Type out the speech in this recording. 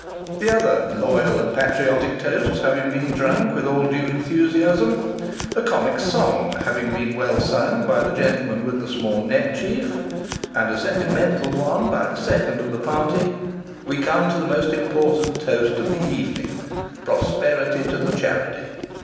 The other " loyal and patriotic " toasts having been drunk with all due enthusiasm, a comic song having been well sung by the gentleman with the small neckerchief, and a sentimental one by the second of the party, we come to the most important toast of the evening " Prosperity to the charity."